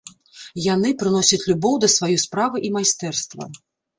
Яны прыносяць любоў да сваёй справы і майстэрства.